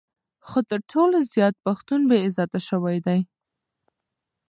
خو تر ټولو زیات پښتون بې عزته شوی دی.